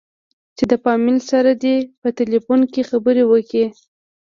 چې د فاميل سره دې په ټېلفون کښې خبرې وکې.